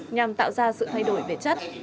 nhằm tạo ra sự thay đổi về chất